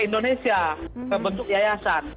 ke indonesia ke bentuk yayasan